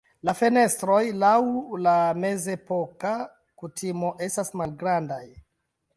La fenestroj laŭ la mezepoka kutimo estas malgrandaj.